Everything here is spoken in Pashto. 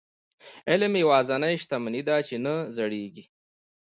علم یوازینۍ شتمني ده چې نه زړيږي.